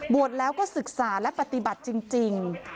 แล้วก็ศึกษาและปฏิบัติจริง